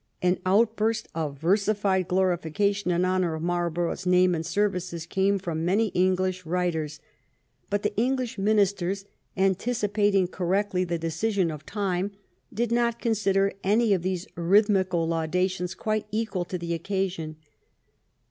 An outburst of versified glorification in honor of Marl borough's name and services came from many English writers, but the English ministers, anticipating cor rectly the decision of time, did not consider any of these rhythmical laudations quite equal to the occasion.